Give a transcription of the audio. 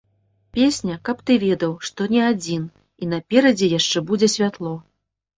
Песня, каб ты ведаў, што не адзін, і наперадзе яшчэ будзе святло.